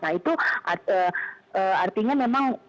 nah itu artinya memang